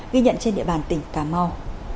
ghi nhận trên địa bàn tỉnh cà mau